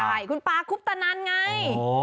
ใช่คุณปาคุปตนันไง